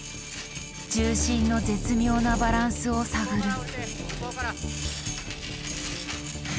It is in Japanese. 重心の絶妙なバランスを探る。